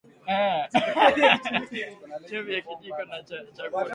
Chumvi Kijiko cha chakula